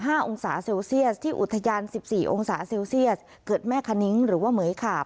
มองศาเซลเซียสที่อุทยานสิบสี่องศาเซลเซียสเกิดแม่คณิ้งหรือว่าเหมือยขาบ